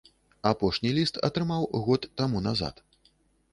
Апошні ліст атрымаў год таму назад.